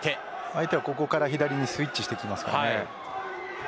相手はここから左にスイッチしてきます。